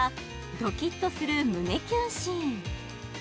ドキッとする胸キュンシーン